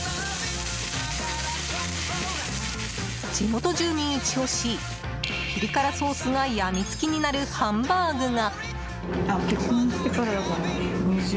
地元住民イチ押しピリ辛ソースがやみつきになるハンバーグが。